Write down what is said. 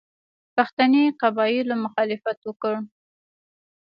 پښتني قبایلو مخالفت وکړ.